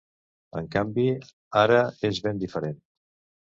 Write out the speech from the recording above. En canvi ara és ben diferent.